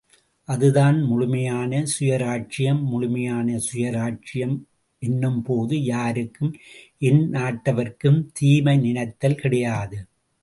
அதுதான் முழுமையான சுயராஜ்யம்... முழுமையான சுயராஜ்யம் என்னும் போது யாருக்கும், எந்நாட்டவருக்கும் தீமை நினைத்தில் கிடையாது.